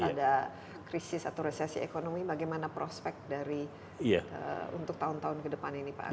ada krisis atau resesi ekonomi bagaimana prospek dari untuk tahun tahun ke depan ini pak agus